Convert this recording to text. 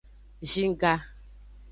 Zin ga.